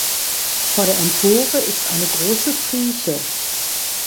Vor der Empore ist eine große Prieche.